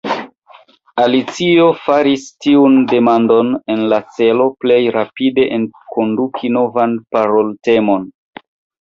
Alicio faris tiun demandon en la celo plej rapide enkonduki novan paroltemon.